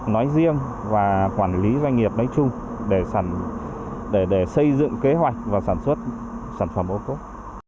nói riêng và quản lý doanh nghiệp nói chung để xây dựng kế hoạch và sản xuất sản phẩm ô cốt